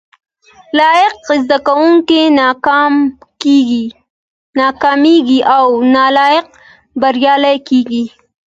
لایق زده کوونکي ناکامیږي او نالایق بریالي کیږي